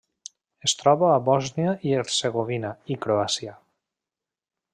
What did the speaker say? Es troba a Bòsnia i Hercegovina i Croàcia.